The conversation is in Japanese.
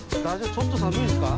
ちょっと寒いですか？